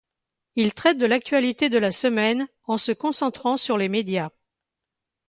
Il traite de l'actualité de la semaine, en se concentrant sur les médias.